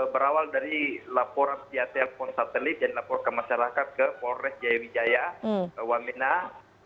berawal dari laporan di telpon satelit yang dilaporkan masyarakat ke polres jaya wijaya waminah